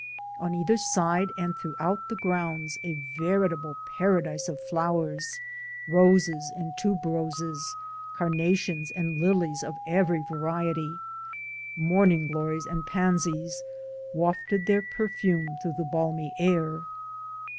On either side and through out the grounds a veritable paradise of flowers; roses and tube roses, carnations and lilies of every variety, morning glories and pansies wafted their perfume through the balmy air.